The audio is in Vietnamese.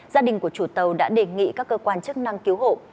gia đình của chủ tàu đã đề nghị các cơ quan chức năng cứu hộ